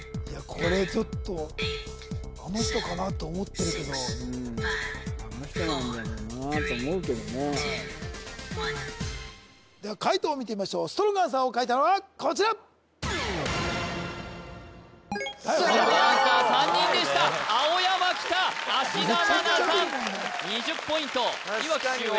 これちょっとあの人かなと思ってるけどうんあの人なんだろうなあと思うけどねでは解答見てみましょうストロングアンサーを書いたのはこちらストロングアンサー３人でした青山きた芦田愛菜さん２０ポイントいわき秀英